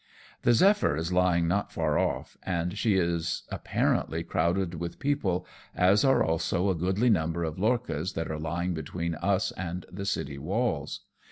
The Zephyr is lying not far off, and she is apparently crowded with people, as are also a goodly number of lorchas that are lying between us and the city walls.